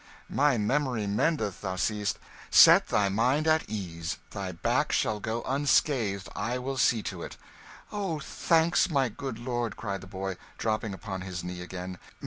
"My memory mendeth, thou seest. Set thy mind at ease thy back shall go unscathed I will see to it." "Oh, thanks, my good lord!" cried the boy, dropping upon his knee again.